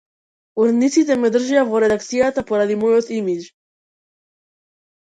Уредниците ме држеа во редакцијата поради мојот имиџ.